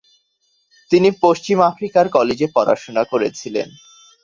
তিনি পশ্চিম আফ্রিকার কলেজে পড়াশোনা করেছিলেন।